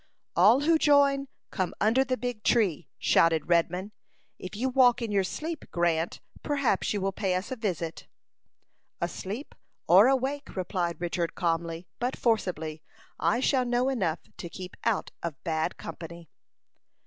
"All who join, come under the big tree!" shouted Redman. "If you walk in your sleep, Grant, perhaps you will pay us a visit." "Asleep or awake," replied Richard, calmly, but forcibly, "I shall know enough to keep out of bad company."